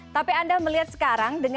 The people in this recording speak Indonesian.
tapi anda melihat sekarang